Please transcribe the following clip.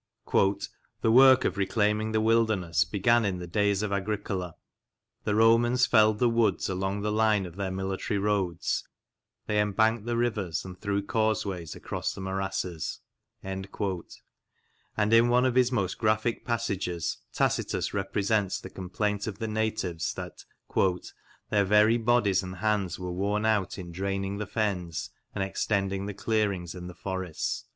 " The work of reclaiming the wilderness began in the days of Agricola. The Romans felled the woods along the line of their military roads, they embanked the rivers and threw causeways across the morasses," and in one of his most graphic passages Tacitus represents the complaint of the natives that " their very bodies and hands were worn out in draining the fens and extending the clearings in the forests."